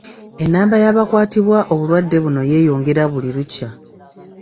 Ennamba y’abakwatibwa obulwadde buno yeeyongera buli lukya.